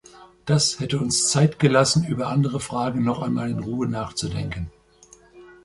Das hätte uns Zeit gelassen, über andere Fragen noch einmal in Ruhe nachzudenken.